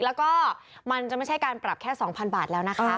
แล้วก็มันจะไม่ใช่การปรับแค่๒๐๐๐บาทแล้วนะคะ